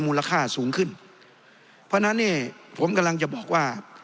มูลค่าสูงขึ้นเพราะฉะนั้นเนี่ยผมกำลังจะบอกว่า